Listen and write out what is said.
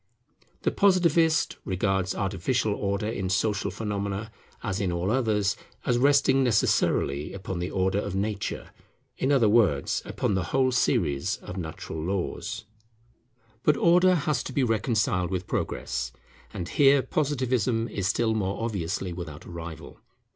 The Positivist regards artificial Order in Social phenomena, as in all others, as resting necessarily upon the Order of nature, in other words, upon the whole series of natural laws. [Progress, the development of Order] But Order has to be reconciled with Progress: and here Positivism is still more obviously without a rival.